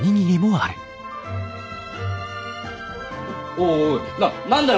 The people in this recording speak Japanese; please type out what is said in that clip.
おいおいな何だよ？